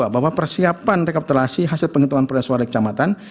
empat dua bahwa persiapan rekapitulasi hasil penghitungan perolahan suara di kecamatan